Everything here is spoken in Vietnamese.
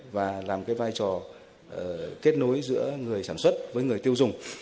và làm cái vai trò kết nối giữa người sản xuất với người tiêu dùng